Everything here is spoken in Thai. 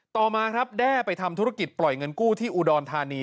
ต่อมาครับแด้ไปทำธุรกิจปล่อยเงินกู้ที่อุดรธานี